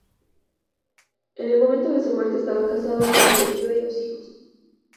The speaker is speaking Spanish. En el momento de su muerte estaba casado, dejando viuda y dos hijos.